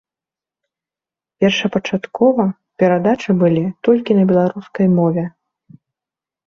Першапачаткова перадачы былі толькі на беларускай мове.